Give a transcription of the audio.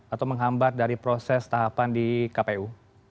atau menghambat dari proses tahapan di kpu